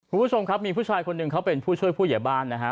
คุณผู้ชมครับมีผู้ชายคนหนึ่งเขาเป็นผู้ช่วยผู้ใหญ่บ้านนะฮะ